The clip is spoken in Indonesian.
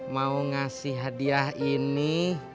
mau ngasih hadiah ini